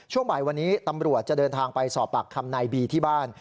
ช่วงบ่ายวันนี้ตำรวจจะเดินทางไปสอบปากคำนายบีที่บ้าน